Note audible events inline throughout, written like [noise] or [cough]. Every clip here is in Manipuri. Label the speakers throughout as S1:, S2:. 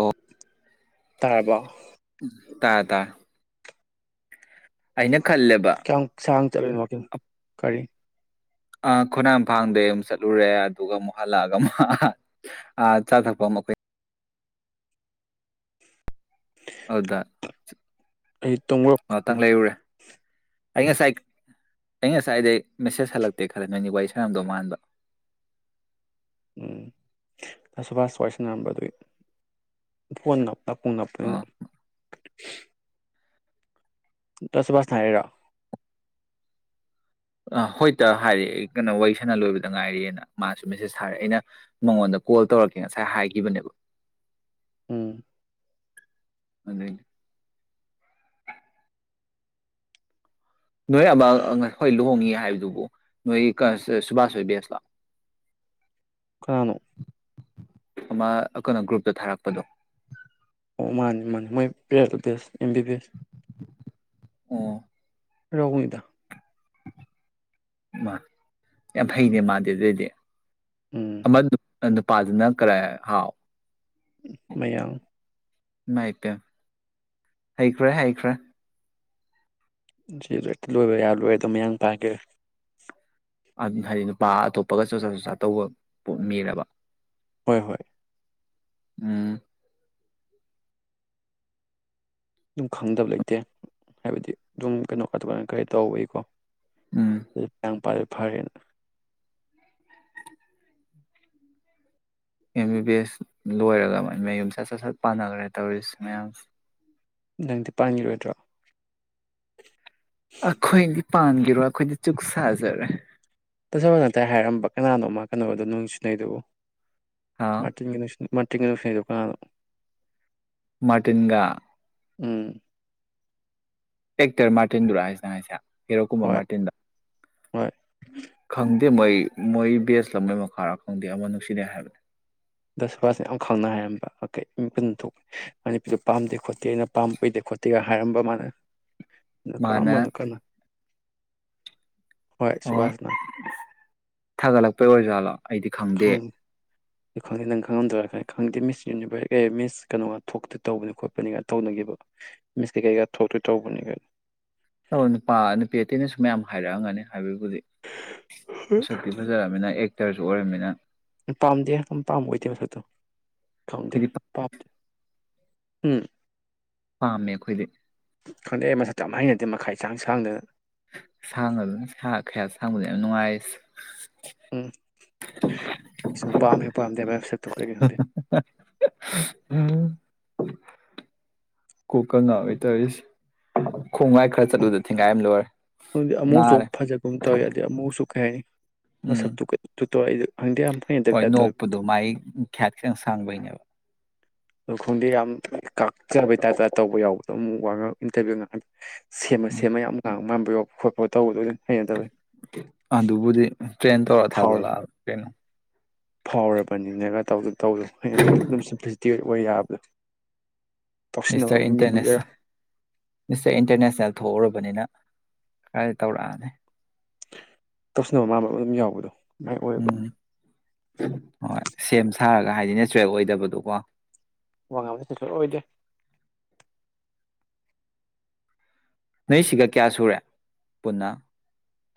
S1: ꯑꯣꯐ
S2: ꯇꯥꯔꯕ
S1: ꯇꯥ ꯇꯥ ꯑꯩꯅ
S2: ꯀ ꯁꯥꯡ ꯀꯔꯤ
S1: ꯑ ꯈꯣꯡꯅꯥꯡ ꯐꯥꯡꯗꯩ ꯑꯃꯨꯛ ꯆꯠꯂꯨꯔꯦ ꯑꯗꯨꯒ ꯑꯃꯨꯛ ꯍꯜꯂꯛꯑꯒ ꯑꯃꯨꯛ ꯆꯥ ꯊꯛꯄ ꯑꯃ ꯑꯩꯈꯣꯏ ꯍꯗ
S2: ꯑꯩ ꯇꯨꯡ
S1: ꯑꯩ ꯉꯁꯥꯏ ꯑꯩ ꯉꯁꯥꯏꯗꯩ ꯃꯦꯁꯦꯖ ꯍꯜꯂꯛꯇꯦ ꯈꯔ ꯅꯣꯏꯒꯤ ꯋꯥꯔꯤ ꯁꯌꯥꯝꯗꯣ ꯃꯥꯟꯕ
S2: ꯎꯝ ꯇꯁꯨ ꯐꯁ ꯆꯣꯏꯁꯅꯔꯝꯕꯗꯨꯏ ꯐꯣꯟꯞ ꯅꯄꯨꯡ ꯅꯞꯄꯅꯤꯅ
S1: ꯑꯥ
S2: ꯇꯁꯕꯁꯅꯔꯣ
S1: ꯍꯣꯏ ꯇ ꯍꯥꯏꯗꯤ ꯑꯩ ꯀꯩꯅꯣ ꯋꯥꯔꯤ ꯁꯅ ꯂꯣꯏꯕꯗ ꯉꯥꯏꯔꯦꯅ ꯃꯥꯁꯨ ꯃꯦꯁꯦꯁ ꯊꯥꯔꯦ ꯑꯩꯅ ꯃꯉꯣꯟꯗ ꯀꯣꯜ ꯇꯧꯔꯛꯀꯦ ꯉꯁꯥꯏ ꯍꯥꯏꯈꯤꯕꯅꯦꯕ
S2: ꯎꯝ
S1: ꯑꯗꯦ ꯅꯣꯏ ꯑꯃ ꯍꯣꯏ ꯂꯨꯍꯣꯡꯉꯤ ꯍꯥꯏꯕꯗꯨꯕꯨ ꯅꯣꯏ ꯁꯨꯕꯥꯁ ꯍꯣꯏ ꯕꯦꯁꯂꯥ
S2: ꯀꯥꯅꯣ
S1: ꯑꯃ ꯀꯩꯅꯣ ꯒ꯭ꯔꯨꯞꯇ ꯊꯥꯔꯛꯄꯗꯣ
S2: ꯑꯣ ꯃꯥꯅꯦ ꯃꯥꯅꯦ ꯃꯣꯏ ꯄꯦꯠ ꯑꯣꯐ ꯕꯤꯁ ꯑꯦꯝ ꯕꯤ ꯕꯤ ꯑꯦꯁ
S1: ꯑꯣ
S2: ꯔꯉꯅꯤꯗ
S1: ꯃꯥ ꯌꯥꯝ ꯐꯩꯅꯦ ꯃꯥꯗꯦ ꯑꯗꯨꯑꯣꯏꯗꯤ
S2: ꯎꯝ
S1: ꯃ ꯅ ꯄꯖꯅ ꯀ ꯍꯥꯎ
S2: ꯃꯌꯥꯡ
S1: ꯏꯃꯥꯏꯄꯦꯝ ꯍꯩꯈ꯭ꯔꯦ ꯍꯩꯈ꯭ꯔꯦ
S2: ꯂ ꯂꯣꯏꯕ ꯌꯥ ꯂꯣꯏꯦ ꯑꯗꯨꯝ ꯃꯌꯥꯡ ꯄꯥꯒꯦ [unintelligible]
S1: ꯍꯥꯏꯗꯤ ꯅꯨꯄꯥ ꯑꯇꯣꯞꯄꯒ ꯆꯣꯆꯥ ꯆꯣꯆꯥ ꯇꯧꯕ ꯄꯣꯛ ꯃꯤꯔꯕ
S2: ꯍꯣꯏ ꯍꯣꯏ
S1: ꯎꯝ
S2: ꯑꯗꯨꯝ ꯈꯪꯗꯕ ꯂꯩꯇꯦ ꯍꯥꯏꯕꯗꯤ ꯑꯗꯨꯝ ꯀꯩꯅꯣ ꯀꯥꯇꯨ ꯀꯔꯟ ꯀꯩ ꯇꯧꯕꯒꯤꯀꯣ
S1: ꯎꯝ
S2: ꯄꯔꯦ [unintelligible] ꯐꯔꯦ
S1: ꯑꯦꯝ ꯕꯤ ꯕꯤ ꯑꯦꯁ ꯂꯣꯏꯔꯒ ꯃ ꯃꯌꯨꯝꯆꯠ ꯆꯠ ꯁꯠ ꯄꯥꯟꯅꯈ꯭ꯔꯦ ꯇꯧꯔꯤꯁꯤ ꯃꯌꯥꯝ
S2: ꯅꯪꯗꯤ ꯄꯥꯟꯈꯤꯔꯣꯏꯗ꯭ꯔꯣ
S1: ꯑꯈꯣꯏꯅꯤ ꯄꯥꯟꯈꯤꯔꯣꯏ ꯑꯩꯈꯣꯏꯗꯤ ꯆꯨꯛ ꯁꯥꯖꯔꯦ
S2: ꯀꯣꯅꯅꯥꯥꯏ ꯍꯥꯏꯔꯝꯕ ꯀꯅꯥꯅꯣꯃ ꯀꯩꯅꯣꯗꯣ ꯅꯨꯡꯁꯤ ꯅꯩꯗꯨꯕꯨ
S1: ꯍꯥꯎ
S2: ꯃꯥꯔꯇꯤꯟꯒ ꯃꯥꯔꯇꯤꯟꯒ ꯅꯨꯡꯁꯤꯅꯩꯗꯣ ꯀꯅꯥꯅꯣ
S1: ꯃꯥꯔꯇꯤꯟꯒ
S2: ꯎꯝ
S1: ꯑꯦꯛꯇꯔ ꯃꯥꯔꯇꯤꯟꯗꯨꯔꯥ ꯍꯥꯏꯁꯦ ꯍꯥꯏꯁꯦ ꯍꯤꯔꯣ ꯀꯨꯝꯕ
S2: ꯍꯣꯏ
S1: ꯃꯥꯔꯇꯤꯟꯗꯣ
S2: ꯍꯣꯏ
S1: ꯈꯪꯗꯦ ꯃꯣꯏ ꯃꯣꯏ ꯕꯦꯁꯂ ꯃꯣꯏ ꯃꯈꯥꯔꯥ ꯈꯪꯗꯦ ꯑꯃ ꯅꯨꯡꯁꯤꯅꯩ ꯍꯥꯏꯕꯅꯦ
S2: ꯗꯥ ꯁꯨꯕꯥꯁꯅ ꯌꯥꯝ ꯈꯪꯅ ꯍꯥꯏꯔꯝꯕ ꯃꯅꯤꯄꯤꯗꯨ ꯄꯥꯝꯗꯦ ꯈꯣꯠꯇꯦ ꯑꯩꯅ ꯄꯥꯝꯏꯗꯦ ꯈꯣꯠꯇꯦꯒ ꯍꯥꯏꯔꯝꯕ ꯃꯥꯅ
S1: ꯃꯥꯅ
S2: ꯀꯔꯝꯕꯅ ꯀꯅꯥꯅꯣ
S1: ꯑꯣ ꯊꯥꯒꯠꯂꯛꯄꯩ ꯑꯣꯏꯖꯥꯠꯂꯣ ꯑꯩꯗꯤ ꯈꯪꯗꯦ
S2: ꯑꯗꯨ ꯈꯪꯗꯦ ꯅꯪ ꯈꯪꯉꯝꯗꯣꯏꯔꯥ ꯈ ꯈꯪꯗꯦ ꯃꯤꯁꯅꯤꯔ ꯃꯤꯁ ꯀꯩꯅꯣꯒ ꯊꯣꯛꯇꯣꯏ ꯇꯧꯕꯅꯤ ꯈꯣꯠꯄꯅꯤꯒ ꯇꯧꯅꯈꯤꯕ ꯃꯤꯁ ꯀꯩꯀꯩꯀꯥ ꯊꯣꯛꯇꯣꯏ ꯇꯧꯕꯅꯤꯒꯥꯏꯅ
S1: ꯅꯨꯄꯥ ꯅꯨꯄꯤ ꯑꯇꯩꯅꯁꯨ ꯃꯌꯥꯝ ꯍꯥꯏꯔꯛꯑꯝ ꯒꯅꯤ ꯍꯥꯏꯕꯩꯕꯨꯗꯤ ꯃꯁꯛꯇꯤ ꯐꯖꯔꯝꯅꯤꯅ ꯑꯦꯛ ꯑꯦꯛꯇꯔꯁꯨ ꯑꯣꯏꯔꯝꯃꯤꯅ
S2: ꯄꯥꯝꯗꯦ ꯌꯥꯝ ꯄꯥꯝꯕ ꯑꯣꯏꯗꯦ ꯃꯁꯛꯇꯣ ꯈꯪꯗꯦ
S1: ꯑꯩꯈꯣꯏꯗꯤ ꯄꯥꯝ-
S2: ꯄꯝꯗꯦ ꯎꯝ
S1: ꯄꯥꯝꯃꯦ ꯑꯩꯈꯣꯏꯗꯤ
S2: ꯈꯪꯗꯦ ꯃꯁꯛꯇꯣ ꯌꯥꯝ ꯍꯩꯅꯗꯦ ꯃꯈꯌꯥꯠ ꯏꯁꯥꯡ ꯁꯥꯡꯉꯗꯅ
S1: ꯁꯥꯡꯉꯁꯨ ꯃꯈꯌꯥꯠ ꯁꯥꯡꯕꯗꯨꯅꯦ ꯌꯥꯝ ꯅꯨꯡꯉꯥꯏꯔꯤꯁꯦ
S2: ꯎꯝ ꯁꯨꯡꯄꯥꯝ ꯍꯦꯛ ꯄꯥꯝꯗꯦ ꯃꯥꯏ ꯃꯁꯛꯇꯣ
S1: ꯎꯝ ꯀꯣꯛꯀ ꯉꯥꯎꯏ ꯇꯧꯔꯤꯁꯦ ꯈꯣꯡꯒꯥꯏ ꯈꯔ ꯆꯠꯂꯨꯗ ꯊꯦꯡꯒꯥꯏ ꯑꯃ ꯂꯣꯏꯔꯦ
S2: ꯗꯤ ꯑꯃꯨꯛꯁꯨ
S1: ꯅꯥꯔꯦ
S2: ꯐꯖꯒꯨꯝ ꯇꯧ ꯌꯥꯗꯦ ꯑꯃꯨꯛꯁꯨ ꯑꯣꯀꯦ ꯃꯁ
S1: ꯎꯝ
S2: ꯇꯨ ꯀ ꯇꯣꯏꯗꯤ
S1: ꯍꯣꯏ ꯅꯣꯛꯄꯗꯣ ꯃꯥꯏ ꯈꯌꯥꯠ ꯈꯤꯇꯪ ꯁꯥꯡꯕꯩꯅꯦꯕ
S2: ꯑꯗ ꯈꯣꯡꯗꯤꯦ ꯌꯥꯝ ꯀꯥꯛꯆꯕꯩꯇꯥꯥ ꯇꯧꯕ ꯌꯥꯎꯕꯗꯣ ꯑꯃꯨꯛ ꯋꯥ ꯏꯟꯇꯔꯚꯤꯌꯨ ꯉ ꯁꯦꯝꯃ
S1: ꯎꯝ
S2: ꯁꯦꯝꯃ ꯌꯥꯝ ꯉꯥꯡꯕ ꯄꯨꯌꯣ ꯈꯣꯠꯄ ꯇꯧꯕꯗꯣ ꯑꯗꯨꯝ ꯍꯩꯅ ꯇꯧꯦ
S1: ꯑꯗꯨꯕꯨꯗꯤ ꯇ꯭ꯔꯦꯟ ꯇꯧꯔ
S2: ꯐꯥꯎꯔ
S1: ꯊꯥꯗꯣꯛꯂꯛꯑꯕ ꯀꯩꯅꯣ
S2: ꯐꯥꯎꯔꯕꯅꯤꯅꯒ ꯇꯧꯗ ꯇꯧꯋꯣ ꯍꯩꯟꯗꯕ ꯑꯗꯨꯝꯄ꯭ꯂꯤꯁꯤꯇꯤ ꯑꯣꯏ ꯑꯣꯏ ꯌꯥꯕꯗꯤ
S1: ꯃꯤꯁꯇꯔ ꯏꯟꯇꯔꯅꯦꯁ ꯃꯤꯁꯇꯔ ꯏꯟꯇꯔꯅꯦꯁꯅꯦꯜ ꯊꯣꯛꯎꯔꯕꯅꯤꯅ ꯀ ꯇꯧꯔꯛꯅꯦ
S2: ꯇꯁꯕ ꯃꯥꯥꯟꯕ ꯑꯃ ꯑꯗꯨꯝ ꯌꯥꯎꯕꯗꯣ ꯃꯥꯏ ꯑꯣꯏꯕ
S1: ꯎꯝ ꯍꯣꯏ ꯁꯦꯝ ꯁꯥꯔꯒ ꯍꯥꯏꯗꯤ ꯅꯦꯆꯔꯦꯜ ꯑꯣꯏꯗꯕꯗꯣꯀꯣ
S2: ꯋꯥ ꯉꯥꯡꯕꯁꯤ ꯁ ꯑꯣꯏꯗꯦ
S1: ꯅꯣꯏꯁꯤꯒ ꯀꯌꯥ ꯁꯨꯔꯦ ꯄꯨꯟꯅ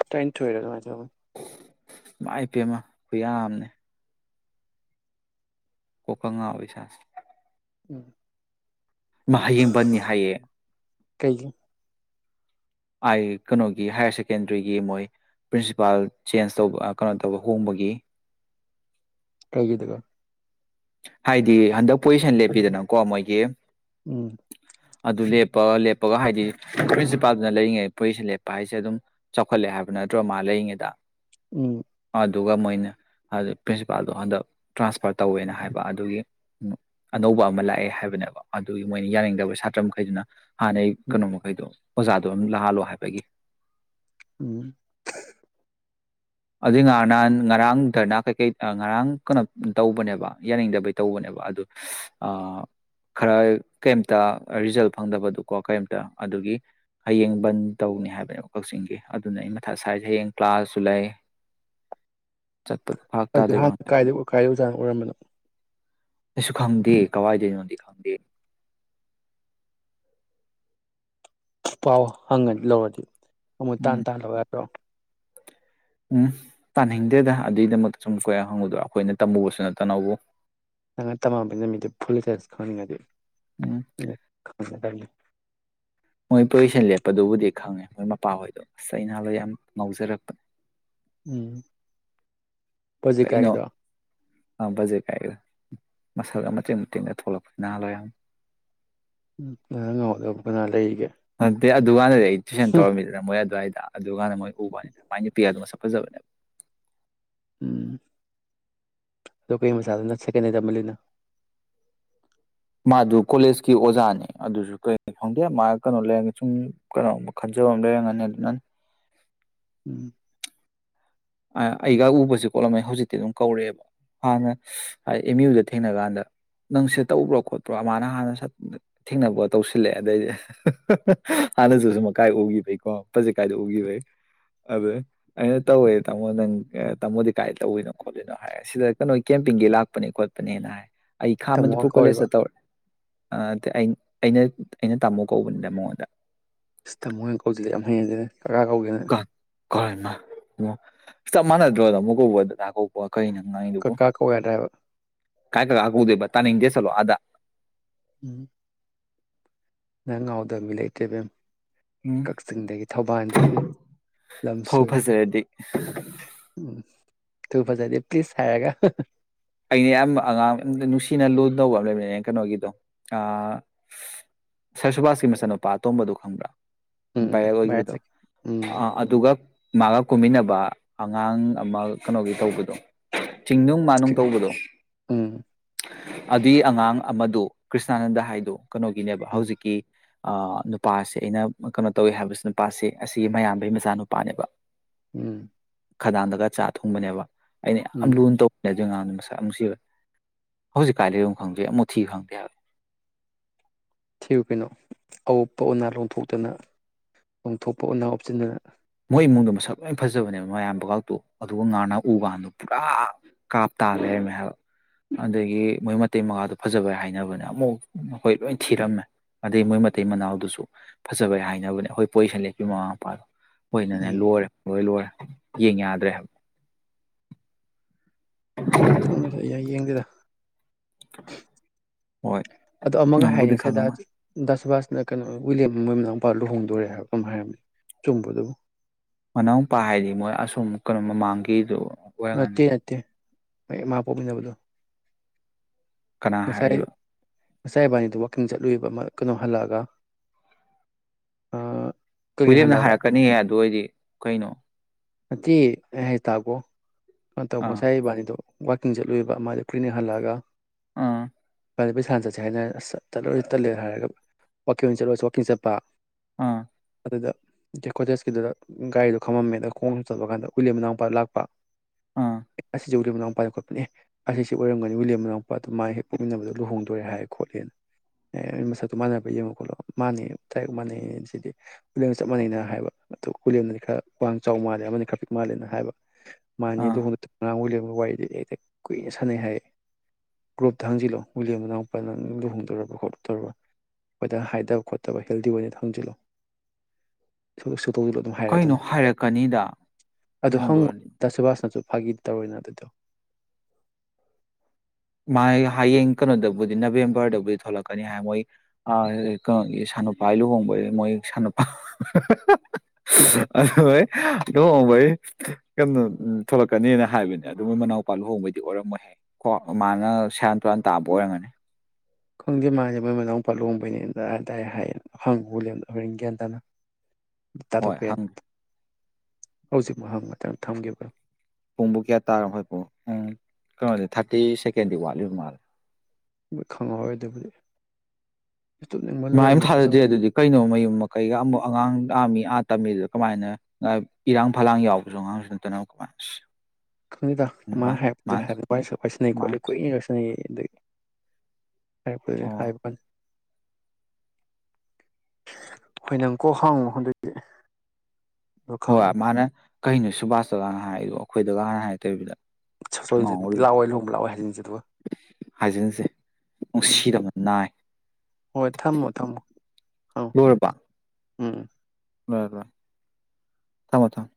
S2: ꯇꯥꯏꯦꯟ ꯇ ꯑꯣꯏꯔꯣꯣꯏ
S1: ꯏ ꯏ ꯄꯦꯝꯃ ꯑꯩꯈꯣꯏ ꯌꯥꯝꯅꯦ ꯀꯣꯀ ꯉ ꯑꯣꯏꯁ
S2: ꯎꯝ
S1: ꯃꯥ ꯍꯌꯦꯡꯕꯟꯅꯤ ꯍꯥꯏꯌꯦ
S2: ꯀꯩꯒꯤ
S1: ꯀꯩꯅꯣꯒꯤ ꯍꯥꯏꯌꯔ ꯁꯦꯀꯦꯟꯗꯔꯤꯒꯤ ꯃꯣꯏ ꯄ꯭ꯔꯤꯟꯁꯤꯄꯥꯜ ꯆꯦꯟꯖ ꯇꯧꯕ ꯀꯩꯅꯣ ꯇꯧꯕ ꯍꯣꯡꯕꯒꯤ
S2: ꯀꯥꯏꯒꯤꯗꯒ
S1: ꯍꯥꯏꯗꯤ ꯍꯟꯗꯛ ꯄꯣꯖꯤꯁꯟ ꯂꯦꯞꯄꯤꯗꯅꯀꯣ ꯃꯣꯏꯒꯤ
S2: ꯎꯝ
S1: ꯑꯗꯨ ꯂꯦꯞꯄꯒ ꯂꯦꯞꯄꯒ ꯍꯥꯏꯗꯤ ꯄ꯭ꯔꯤꯟꯁꯤꯄꯥꯜꯗꯨꯅ ꯂꯩꯔꯤꯉꯩ ꯄꯨꯔꯤꯁꯅ ꯂꯦꯞꯄ ꯍꯥꯏꯁꯦ ꯑꯗꯨꯝ ꯆꯥꯎꯈꯠꯂꯦ ꯍꯥꯏꯕ ꯅꯠꯇ꯭ꯔꯣ ꯃꯥꯥ ꯂꯩꯔꯤꯉꯩꯗ
S2: ꯎꯝ
S1: ꯑꯗꯨꯒ ꯃꯣꯏꯅ ꯄ꯭ꯔꯤꯟꯁꯤꯄꯥꯜꯗꯣ ꯍꯟꯗꯛ ꯇ꯭ꯔꯥꯟꯁꯐꯔ ꯇꯧꯋꯦꯅ ꯍꯥꯏ ꯑꯗꯨꯒꯤ ꯑꯅꯧꯕ ꯑꯃ ꯂꯥꯛꯑꯦ ꯍꯥꯏꯕꯅꯦꯕ ꯑꯗꯨꯒꯤ ꯃꯣꯏꯅ ꯌꯥꯅꯤꯡꯗꯕ ꯁꯥꯇ꯭ꯔ ꯃꯈꯩꯗꯨꯅ ꯍꯥꯟꯅꯩ ꯀꯩꯅꯣ ꯃꯈꯩꯗꯣ ꯑꯣꯖꯥꯗꯣ ꯑꯗꯨꯝ ꯂꯥꯛꯍꯜꯂꯣ ꯍꯥꯏꯕꯒꯤ
S2: ꯎꯝ
S1: ꯑꯗꯨꯏ ꯉꯔ ꯅꯍꯥꯟ ꯉꯔꯥꯡ ꯙꯔꯅꯥ ꯀꯩꯀꯩ ꯉꯔꯥꯡ ꯀꯩꯅꯣ ꯇꯧꯕꯅꯦꯕ ꯌꯥꯅꯤꯡꯗꯕꯩ ꯇꯧꯕꯅꯦꯕ ꯑꯗꯨ ꯈꯔ ꯀꯩꯝꯇ ꯔꯤꯖꯜ ꯐꯪꯗꯕꯗꯨꯀꯣ ꯀꯩꯝꯇ ꯑꯗꯨꯒꯤ ꯍꯌꯦꯡ ꯕꯟ ꯇꯧꯅꯤ ꯍꯥꯏꯕꯅꯦꯕ ꯀꯛꯆꯤꯡꯒꯤ ꯑꯗꯨꯅ ꯑꯩ ꯃꯊ ꯁ꯭ꯋꯥꯏꯗ ꯍꯌꯦꯡ ꯀ꯭ꯂꯥꯁꯁꯨ ꯂꯩ ꯆꯠꯄꯗꯣ ꯐꯔꯛ
S2: ꯑꯗꯨ
S1: ꯇꯥꯗꯣꯏꯔꯣ
S2: ꯍꯥꯟ ꯀꯥꯏꯗ ꯀꯥꯏꯗ ꯖꯥ ꯑꯣꯏꯔꯝꯕꯅꯣ
S1: ꯀꯩꯁꯨ ꯈꯪꯗꯦ ꯀꯋꯥꯏꯗꯅꯣꯗꯤ ꯈꯪꯗꯦ
S2: ꯄꯥꯎ ꯍꯪꯉꯅꯤ ꯂꯧꯔꯗꯤ ꯑꯃꯨꯛ ꯇꯥꯟ
S1: ꯎꯝ
S2: ꯇꯥꯥꯟꯂꯒꯦꯔꯣ
S1: ꯎꯝ ꯄꯥꯅꯤꯡꯗꯦꯗ ꯑꯗꯨꯒꯤꯗꯃꯛꯇ ꯁꯨꯝ ꯀꯣꯏ ꯍꯪꯉꯨꯗ꯭ꯔꯣ ꯑꯩꯈꯣꯏꯅ ꯇꯝꯃꯨꯕꯁꯨ ꯅꯠꯇꯅꯕꯨ
S2: ꯅꯪ ꯇꯃꯕꯅ ꯃꯤꯗꯤ ꯐꯨꯜ ꯆꯁ ꯈꯪꯅꯤꯡꯉꯗꯤ [inaudible]
S1: ꯎꯝ ꯃꯣꯏ ꯄꯣꯖꯤꯁꯟ ꯂꯦꯞꯄꯗꯨꯕꯨꯗꯤ ꯈꯪꯉꯦ ꯃꯣꯏ ꯃꯄꯥꯍꯣꯏꯗꯣ ꯑꯁ ꯅꯍꯥꯟꯋꯥꯏ ꯌꯥꯝ ꯉꯥꯎꯖꯔꯛꯄꯅꯦ
S2: ꯎꯝ
S1: ꯀꯩꯅꯣ
S2: ꯄ꯭ꯔꯣꯖꯦꯛꯀꯥꯏꯒꯤꯗꯣ
S1: ꯏꯅꯥꯎ ꯄꯥꯖꯦ ꯀꯥꯏ ꯃꯁꯜꯒ ꯃꯇꯆꯦꯛ ꯃꯇꯦꯛꯗ ꯊꯣꯛꯂꯛꯄ ꯅꯍꯥꯜꯋꯥ ꯌꯥꯝ
S2: ꯎꯝ ꯑꯗꯨ ꯉꯗ ꯅ ꯂꯩ ꯑꯩꯒꯦ
S1: ꯅꯠꯗꯦ ꯑꯗꯨ ꯋꯥꯥꯟꯗꯗꯤ ꯑꯩ ꯇꯨꯏꯁꯟ ꯇꯧꯔꯝꯗꯅ ꯃꯣꯏ ꯑꯗꯨꯋꯥꯏꯗꯣ ꯑꯗꯨꯀꯥꯟꯗ ꯃꯣꯏ ꯎꯕ ꯋꯥꯅꯤ ꯃꯥꯏ ꯅꯨ ꯄꯤ ꯒꯗꯣ ꯃꯁꯛ ꯐꯖꯕꯅꯦ
S2: ꯎꯝ ꯑꯗꯨ ꯀꯩ ꯃꯁꯥꯗꯨ ꯅ ꯁꯦꯀꯦꯟ ꯏꯌꯥ꯭ꯔ ꯇꯝꯍꯜ ꯂꯤꯅꯣ
S1: ꯃꯥꯗꯨ ꯀꯣꯂꯦꯖꯀꯤ ꯑꯣꯖꯥꯅꯤ ꯑꯗꯨꯁꯨ ꯀꯔꯤ ꯈꯪꯗꯦ ꯃꯥ ꯀꯩꯅꯣ ꯂꯩꯔꯒꯦ ꯁꯨꯝ ꯀꯩꯅꯣꯝ ꯈꯟꯖꯕ ꯑꯃ ꯂꯩꯔꯝꯒꯅꯤ ꯑꯗꯨꯅ
S2: ꯎꯝ
S1: ꯑꯩꯒ ꯎꯕꯁꯦ ꯈꯣꯠꯂꯝꯃꯦ ꯍꯧꯖꯤꯛꯇꯤ ꯑꯗꯨꯝ ꯀꯧꯔꯛꯑꯦꯕ ꯍꯥꯟꯅ ꯑꯦꯝ ꯌꯨꯗ ꯊꯦꯡꯅ ꯀꯥꯟꯗ ꯅꯪꯁꯦ ꯇꯧꯕ꯭ꯔꯣ ꯈꯣꯠꯄ꯭ꯔꯣ ꯃꯥꯅ ꯍꯥꯟꯅ ꯊꯦꯡꯅꯕ ꯇꯧꯁꯤꯜꯂꯛꯑꯦ ꯑꯗꯩꯗꯤ ꯍꯥꯟꯅꯁꯨ ꯁꯨꯝ ꯀꯥꯏ ꯎꯈꯤꯕꯩꯀꯣ ꯐꯖꯤ ꯀꯥꯏꯗꯣ ꯎꯈꯤꯕꯩ ꯑꯗ ꯑꯩꯅ ꯇꯧꯋꯦ ꯇꯥꯃꯣ ꯅꯪ ꯇꯥꯃꯣꯗꯤ ꯀꯥꯏꯗ ꯇꯧꯋꯤꯅꯣ ꯈꯣꯠꯂꯤꯏꯅꯣ ꯍꯥꯏ ꯁꯤꯗ ꯀꯩꯅꯣ ꯀꯦꯝꯄꯤꯡꯒꯤ ꯂꯥꯛꯄꯅꯦ ꯈꯣꯠꯄꯅꯦꯅ ꯍꯥꯏ ꯑꯩ ꯈꯥ
S2: ꯇꯥꯃꯣꯒ
S1: ꯃꯅꯤꯄꯨꯔ ꯀꯣꯂꯦꯖ
S2: ꯀꯧꯔꯤꯕ
S1: ꯆ ꯇꯧꯔꯛ ꯑꯦ ꯑ ꯑꯩꯅ ꯑꯩꯅ ꯇꯥꯃꯣ ꯀꯧꯕꯅꯤꯅ ꯃꯉꯣꯟꯗ
S2: ꯏꯁ ꯇꯃꯣ ꯀꯣꯆꯤꯜ ꯂꯦ ꯌꯥꯝ ꯍꯩꯅ ꯗꯦꯗꯥ
S1: ꯀ ꯀꯔꯣꯏꯅ ꯆꯞ ꯃꯥꯟ ꯅꯥꯗꯔꯣ ꯇꯥꯃꯣ ꯀꯧꯕꯒꯥ ꯗꯥꯗ ꯀꯧꯕꯒ ꯀꯩ ꯅꯪꯅ ꯉꯥꯡ ꯏꯗꯨꯕꯨ
S2: ꯀꯀꯥ ꯀꯧ ꯌꯥꯗ꯭ꯔꯥ ꯍꯥꯏꯕ
S1: ꯀꯥꯏ ꯗꯥꯗꯥ ꯀꯧꯗꯣꯏꯕ ꯇꯥꯅꯤꯡ ꯗꯦ ꯆꯠꯂꯣ ꯑꯗ
S2: ꯎꯝ ꯅꯪ ꯉꯥꯎꯗ ꯃꯤ ꯂꯩꯇꯦꯕꯦꯝ
S1: ꯎꯝ
S2: ꯀꯛꯆꯤꯡꯗꯒꯤ ꯊꯧꯕꯥꯜꯗꯒꯤ ꯂꯝ
S1: ꯐꯧ
S2: ꯁꯨꯑꯦ
S1: ꯐꯖꯔꯗꯤ
S2: ꯎꯝ ꯇꯨ ꯐꯖꯗꯤ ꯄ꯭ꯂꯤꯖ ꯍꯥꯏꯔꯒ
S1: ꯑꯩꯅ ꯌꯥꯝ ꯑꯉꯥꯡ ꯅꯨꯡꯁꯤꯅ ꯂꯨꯅ ꯇꯧꯕ ꯑꯃ ꯂꯩꯃꯤꯅꯤꯅꯦ ꯀꯩꯅꯣꯒꯤꯗꯣ ꯑꯥ ꯁꯥ꯭ꯔ ꯁꯨꯕꯥꯁꯀꯤ ꯃꯆꯥꯅꯨꯄꯥ ꯑꯇꯣꯝꯕꯗꯣ ꯈꯪꯕ꯭ꯔꯥ
S2: ꯎꯝ
S1: ꯚꯥꯏꯔꯦꯜ
S2: ꯚꯥꯏꯔ
S1: ꯑꯣꯏꯈꯤꯕꯗꯣ
S2: ꯆꯠꯈꯤ ꯎꯝ
S1: ꯑ ꯑꯗꯨꯒ ꯃꯥꯒ ꯀꯨꯝꯃꯤꯟꯅꯕ ꯑꯉꯥꯡ ꯑꯃ ꯀꯩꯅꯣꯒꯤ ꯇꯧꯕꯗꯣ ꯆꯤꯡꯅꯨꯡ
S2: ꯎꯝ
S1: ꯑꯗꯨꯏ ꯑꯉꯥꯡ ꯑꯃꯗꯨ ꯀ꯭ꯔꯤꯁꯅꯥꯅꯟꯗ ꯍꯥꯏꯗ‌ꯣ ꯀꯩꯅꯣꯒꯤꯅꯦꯕ
S2: ꯎꯝ
S1: ꯍꯧꯖꯤꯛꯀꯤ ꯅꯨꯄꯥꯁꯦ ꯑꯩꯅ ꯀꯩꯅꯣ ꯇꯧꯋꯦ ꯍꯥꯏꯕꯕꯁꯤ ꯅꯨꯄꯥꯁꯦ ꯑꯁꯤꯒꯤ ꯃꯌꯥꯝꯕꯩ ꯃꯆꯥ ꯅꯨꯨꯄꯥꯅꯦꯕ
S2: ꯎꯝ
S1: ꯈꯗꯥꯡꯗꯒ ꯆꯥ ꯊꯣꯡꯕꯅꯦꯕ ꯑꯩꯅ ꯌꯥꯝ
S2: ꯎꯝ
S1: ꯂꯨꯅ ꯇꯧꯃꯤ ꯑꯗꯨꯏ ꯑꯥꯉꯥꯡꯗꯨ ꯃꯁꯥꯛ ꯅꯨꯡꯁꯤꯕ ꯍꯧꯖꯤꯛ ꯀꯥꯏꯗ ꯂꯩꯝꯅ‌ꯣ ꯈꯪꯗ‌ꯦ ꯑꯃꯨꯛ ꯊꯤꯕ ꯈꯪꯗꯦ ꯍꯥꯏꯕ
S2: ꯊꯤꯌꯨ ꯀꯩꯅꯣ ꯑꯋꯨꯞꯄ ꯎꯅꯥ ꯂꯣꯡꯊꯣꯛꯇꯅ ꯂꯪꯊꯣꯛꯄ ꯑꯣꯅꯥ ꯍꯥꯞꯆꯤꯟꯗꯅ
S1: ꯃꯣꯏ ꯏꯃꯨꯡꯗ ꯃꯁꯛ ꯂꯣꯏ ꯐꯖꯕꯅꯦꯕ ꯃꯌꯥꯝꯕꯒꯥꯛꯇꯨ ꯑꯗꯨꯒ ꯉꯥꯅ ꯎ ꯀꯥꯟꯗꯣ ꯄꯨꯔꯥ ꯀꯥꯞ ꯇꯥꯜꯂꯦ ꯍꯥꯏꯔꯝꯃꯦ ꯍꯥꯏꯕ ꯑꯗꯒꯤ ꯃꯣꯏ ꯃꯇꯩ ꯃꯒꯥꯗꯨꯣ ꯐꯖꯕꯩ ꯍꯥꯏꯅꯕꯅꯦ ꯑꯃꯨꯛ ꯑꯩꯈꯣꯏ ꯂꯣꯏ ꯊꯤꯔꯝꯃꯦ ꯑꯗꯩ ꯃꯣꯏ ꯃꯇꯩ ꯃꯅꯥꯎꯗꯨꯁꯨ ꯐꯖꯕꯩ ꯍꯥꯏꯅꯕꯅꯦ ꯑꯩꯈꯣꯏ ꯄꯣꯖꯤꯁꯟ ꯂꯦꯞꯄꯤ ꯃꯃꯥ ꯃꯄꯥꯗꯣ ꯍꯣꯏꯅꯅꯦ
S2: ꯎꯝ
S1: ꯂꯣꯏꯔꯦ ꯂꯣꯏ ꯂꯣꯏꯔꯦ ꯌꯦꯡ ꯌꯥꯗ꯭ꯔꯦ ꯍꯥꯏꯕ
S2: ꯈꯪꯅꯁ ꯑꯩ ꯌꯦꯡꯗꯦꯗ
S1: [inaudible]
S2: ꯑꯗꯣ ꯑꯃꯒ ꯍꯥꯏꯔꯤ
S1: ꯅꯪꯕꯨꯗꯤ ꯈꯪꯉꯝꯃꯅꯤ
S2: ꯉꯁꯥꯏ ꯗꯁꯕꯥ ꯀꯩꯅꯣ ꯋꯤꯂꯤꯌꯝ ꯃꯣꯏ ꯃꯅꯥꯎ ꯃꯨꯄꯥ ꯂꯨꯍꯣꯡꯗꯣꯔꯦ ꯍꯥꯏꯕ ꯑꯗꯨꯝ ꯍꯥꯏꯔꯝꯃꯤ ꯆꯨꯝꯕꯗꯨꯕꯨ
S1: ꯃꯅꯥꯎꯄꯥ ꯍꯥꯏꯗꯤ ꯃꯣꯏ ꯑꯁꯣꯝ ꯀꯩꯅꯣꯝꯃ ꯃꯥꯡꯈꯤꯗꯨ
S2: ꯃꯇ ꯍꯣꯏ ꯃꯥꯄꯣꯃꯤꯅꯦꯕꯗꯨꯣ
S1: ꯀꯅꯥ ꯍꯥꯏꯔꯤꯕ
S2: ꯃꯆꯥ ꯏꯕꯥꯅꯤꯗ ꯋꯥꯛꯀꯤꯡ ꯆꯠꯂꯨꯏꯕ ꯀꯩꯅꯣ ꯍꯜꯂꯛꯑꯒ ꯀꯔꯤꯡ
S1: ꯍꯨꯏꯔꯦꯝꯞꯅ
S2: ꯍꯜꯂꯛꯑꯒ
S1: ꯍꯥꯏꯔꯛꯀꯅꯤꯍ ꯑꯗꯨ ꯑꯣꯏꯗꯤ ꯀꯩꯅꯣ
S2: ꯠꯇ ꯍꯦ ꯇꯀꯣ ꯍ ꯇ
S1: ꯑꯥ
S2: ꯃꯁꯥꯏꯕꯥꯥꯟꯗꯣ ꯋꯥꯛꯀꯤꯡ ꯆꯠꯂꯨꯕ ꯃꯥꯥꯏꯗ ꯀ꯭ꯂꯤꯅꯤꯛ ꯍꯜꯂꯛꯑꯒ
S1: ꯑ
S2: ꯃꯄꯩ ꯁꯥꯟꯅ ꯆꯠꯁꯦ ꯍꯥꯏꯗꯅ ꯇꯠꯂꯨꯔꯁꯨ ꯇꯠꯂꯦꯅ ꯍꯥꯏꯔꯒ ꯋꯀꯤꯡ ꯑꯣꯏꯅ ꯆꯠꯂꯨꯔꯁꯤ ꯥꯛꯀꯤꯡ ꯆꯠꯄ
S1: ꯑꯥ
S2: ꯑꯗꯨꯗ ꯦꯀꯣꯇꯦꯁꯀꯤꯗꯨꯗ ꯒꯥꯔꯤꯗꯣ ꯈꯝꯃꯝꯃꯦꯗ ꯈꯣꯡ ꯆꯠꯄ ꯀꯥꯟꯗ ꯎꯂꯦꯝ ꯃꯅꯥꯡꯄꯥ ꯂꯥꯛꯄ
S1: ꯑꯥ
S2: ꯑꯁꯤ ꯑꯁꯤꯧ ꯂꯦꯝ ꯃꯅꯥꯎꯄꯥ ꯈꯣꯠꯄꯅꯦ ꯑꯁꯤ ꯑꯣꯏꯔꯝꯒꯅꯤꯋꯨꯂꯦꯝ ꯃꯅꯥꯎꯄꯥꯗꯣ ꯃꯥ ꯍꯦꯛ ꯄꯣꯛꯃꯤꯟꯅꯕꯗꯣ ꯂꯨꯍꯣꯡꯗꯣꯔꯦ ꯍꯥꯏ ꯈꯣꯠꯂꯦꯅ ꯑꯦ ꯃꯁꯛꯇꯣ ꯃꯥꯟꯅꯕ ꯌꯦꯡꯉꯣ ꯈꯣꯠꯂꯣ ꯃꯥꯥꯟꯅꯩ ꯗꯥꯏꯔꯦꯛ ꯃꯥꯟꯅꯩꯌꯦ ꯁꯤꯗꯤ ꯎꯂꯦꯝꯒ ꯆꯞ ꯃꯥꯟꯅꯩꯅ ꯍꯥꯏꯕ ꯑ ꯎꯋꯂꯦꯝꯅꯗꯤ ꯈꯔ ꯆꯥꯎꯧ ꯃꯥꯜꯂꯦ ꯑꯃꯅꯤ ꯈꯔ ꯄꯤꯛ ꯃꯥꯜꯂꯦꯅ ꯍꯥꯏꯕ ꯃꯥꯅꯦ
S1: ꯑꯥ
S2: ꯑꯗꯨ ꯍꯛꯇ ꯑꯉꯥꯡ ꯑꯣꯏꯕ ꯋꯥꯏꯗꯤ ꯑꯩ ꯑꯩꯛꯇ ꯀꯨꯏꯅ ꯁꯥꯟꯅꯩ ꯍꯥꯏꯌꯦ ꯒ꯭ꯔꯣꯞꯇ ꯍꯥꯡꯖꯤꯜꯂꯛꯣ ꯨꯂꯤ ꯃꯅꯥꯎ ꯃꯨꯄꯥ ꯅꯪ ꯂꯨꯍꯣꯡꯗꯧꯔꯕ ꯈꯣꯠꯂꯨꯗꯧꯔꯕ ꯑꯩꯣꯏꯗ ꯍꯥꯏꯗꯕ ꯈꯣꯠꯇꯕ ꯍꯦꯜꯗꯤ ꯑꯣꯏꯅ ꯍꯥꯡꯖꯤꯜꯂꯣ ꯁ ꯁꯨ ꯇꯧꯁꯤꯜꯂ ꯑꯗꯨꯝ ꯍꯥꯏꯔꯛꯦ
S1: ꯀꯩꯅꯣ
S2: ꯑꯗꯨꯅꯦ
S1: ꯍꯥꯏꯔꯛꯀꯅꯤꯗ
S2: ꯑꯗꯨ
S1: ꯂꯨꯍꯣꯡꯗꯣꯔꯗꯤ
S2: ꯍꯪꯉꯨꯗꯁꯨꯕꯥꯁꯅꯁꯨ ꯐꯒꯗ ꯇꯔꯣꯏꯅꯥꯗꯗ
S1: ꯃꯥ ꯍꯌꯦꯡ ꯀꯩꯅꯣꯗꯕꯨꯗꯤ ꯅꯕꯦꯝꯕꯔꯗꯕꯨꯗꯤ ꯊꯣꯛꯂꯛꯀꯅꯤ ꯍꯥꯏ ꯃꯣꯏ ꯀꯩꯅꯣꯒꯤ ꯁꯥꯟꯅꯨꯄꯥ ꯂꯨꯍꯣꯡꯕꯒꯤ ꯃꯣꯏ ꯁꯅꯨꯄꯥ ꯍꯣꯏ ꯂꯨꯍꯣꯡꯕꯩ ꯀꯩꯅꯣ ꯊꯣꯛꯂꯛꯀꯅꯤꯅ ꯍꯥꯏꯕꯅꯦ ꯑꯗꯨ ꯃꯣꯏ ꯃꯅꯥꯎꯄꯥ ꯂꯨꯍꯣꯡꯕꯩꯗꯤ ꯑꯣꯏꯔꯝꯃꯣꯏꯍꯦ ꯀꯣ ꯃꯥꯅ ꯁꯌꯥꯟ ꯇꯨꯔꯥꯟ ꯇꯥꯕ ꯑꯣꯏꯔꯝꯒꯅꯤ
S2: ꯈꯪꯗꯦ ꯃꯥꯁꯦ ꯃꯣꯏ ꯃꯅꯥꯎꯨꯄꯥ ꯂꯍꯣꯡꯕꯩꯅꯦꯅ ꯑꯗꯨ ꯇꯔꯦ ꯍꯥꯏꯌꯦ ꯍꯪꯕ ꯕꯣꯂꯦꯝꯗꯣ ꯍꯣꯔꯦꯟꯒꯌꯥꯟ ꯇꯅ
S1: ꯍꯣꯏ ꯍꯪꯒꯦ
S2: ꯍꯧꯖꯤꯛ ꯋꯥ ꯃꯊꯪ ꯊꯝꯈꯤꯕ꯭ꯔꯣ
S1: ꯄꯨꯡꯕꯨ ꯀꯌꯥ ꯇꯥꯔꯣ ꯍꯣꯏ ꯄꯣ ꯎꯝ ꯀꯩꯅꯣꯗꯤ ꯊꯥꯔꯇꯤ ꯁꯦꯀꯦꯟꯗꯤ ꯋꯥꯠꯂꯤꯕ ꯃꯥꯜꯂꯦ
S2: ꯈꯪꯉꯔꯣꯏꯗꯕꯨꯗꯤ
S1: ꯃꯃꯥꯏ ꯊꯥꯖꯗꯦ ꯑꯗꯨꯗꯤ ꯀꯩꯅꯣ ꯃꯌꯨꯝ ꯃꯀꯩꯒ ꯑꯃꯨꯛ ꯑꯉꯥꯡ ꯂꯥꯛꯑꯃꯤꯥ ꯇꯝꯕꯤꯗꯨꯗ ꯀꯃꯥꯏꯅ ꯏꯔꯥꯡ ꯐꯂꯥꯡ ꯌꯥꯎꯕꯁꯨ ꯑꯉꯥꯡꯁꯨ ꯅꯠꯇꯅ ꯀꯃꯥꯏꯅ
S2: ꯈꯪꯗꯦꯗ ꯃꯥ ꯍꯥꯏꯕꯗꯨ ꯍꯥꯏꯕ ꯋꯥꯏ ꯁꯤꯟꯅꯩ
S1: ꯃꯥ
S2: ꯈꯣꯠꯂꯤ ꯀꯨꯏꯅꯒꯁꯤꯟꯅꯅꯩꯌꯦ ꯑꯗ ꯍꯥꯏꯦ
S1: ꯑꯣ
S2: ꯍꯥꯏꯕꯅꯦ ꯍꯣꯏ ꯅꯪꯀꯣꯛ ꯍꯥꯡꯉꯨ ꯑꯗꯨꯗꯗꯤ
S1: ꯍꯣꯏ ꯃꯥꯅ ꯀꯩꯅꯤ ꯁꯨꯕꯥꯁ ꯆꯧꯅ ꯍꯥꯏꯒꯣ ꯑꯩꯈꯣꯏꯗꯒ ꯍꯥꯟꯅ ꯍꯥꯏꯔ ꯇꯣꯏꯔꯤꯕꯅꯤꯗ
S2: ꯁ ꯂꯥꯛꯑꯣꯏ ꯂꯨꯍꯣꯡꯕ ꯂꯥꯛꯑꯣꯏ ꯍꯥꯏꯖꯤꯟꯁꯦ ꯑꯗꯨꯒ
S1: ꯍꯥꯏꯖꯤꯟꯁꯦ
S2: ꯎꯝ
S1: ꯅꯨꯡꯁꯤꯗꯕ ꯅꯥꯏ
S2: ꯍꯣꯏ ꯊꯝꯃꯣ ꯊꯝꯃꯣ ꯑꯪ ꯎꯝ
S1: ꯔ ꯂ ꯊꯥꯃꯣ ꯊꯝ